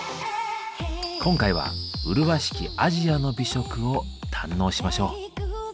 今回は麗しき「アジアの美食」を堪能しましょう。